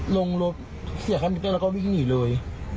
ลงรถเสียค่ามิเกอร์แล้วก็วิ่งหนีเลย